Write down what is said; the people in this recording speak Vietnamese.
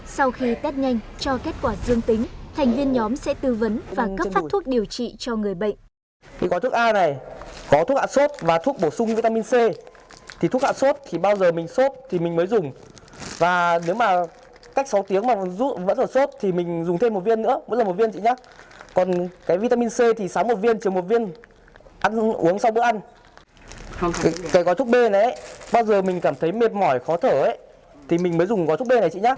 sau khi tết nhanh cho kết quả dương tính thành viên nhóm sẽ tư vấn và cấp phát thuốc điều trị cho người bệnh